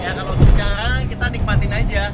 ya kalau untuk sekarang kita nikmatin aja